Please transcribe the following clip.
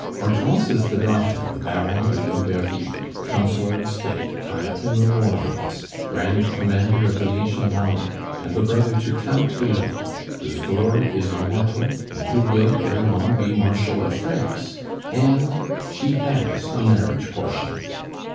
"Hortense is the daughter of the Baron Hulot d'Ervy, Councillor of State, high up in the War Office, Grand Commander of the Legion of Honor, and the brother to Count Hulot, whose glory is immortal, and who will ere long be Marshal of France! And she has a marriage portion.